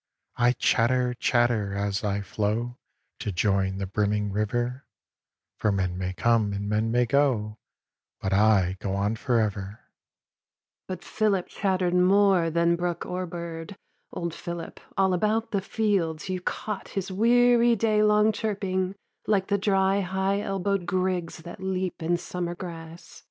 I chatter, chatter, as I flow To join the brimming river, For men may come and men may go, But I go on for ever. 'But Philip chatter'd more than brook or bird; Old Philip; all about the fields you caught His weary daylong chirping, like the dry High elbow'd grigs that leap in summer grass.